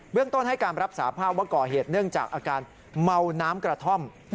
เรื่องต้นให้การรับสาภาพว่าก่อเหตุเนื่องจากอาการเมาน้ำกระท่อม